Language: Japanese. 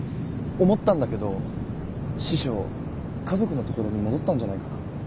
思ったんだけど師匠家族のところに戻ったんじゃないかな？